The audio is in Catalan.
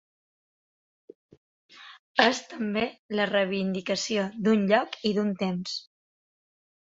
És també la reivindicació d’un lloc i d’un temps.